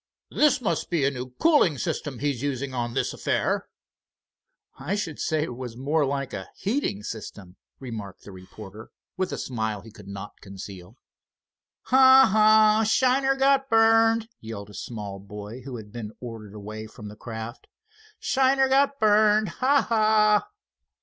"This must be a new cooling system he's using on this affair." "I should say it was more like a heating system," remarked the reporter, with a smile he could not conceal. "Ha! Ha! Shiner got burned!" yelled a small boy who had been ordered away from the craft. "Shiner got burned! Ha! Ha!"